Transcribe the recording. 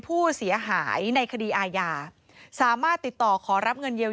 โปรดติดตามต่างกรรมโปรดติดตามต่างกรรม